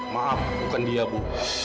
maaf bukan dia bu